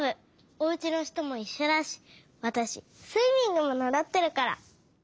おうちのひともいっしょだしわたしスイミングもならってるから。